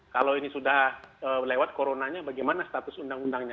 kalau ini sudah lewat coronanya bagaimana status undang undangnya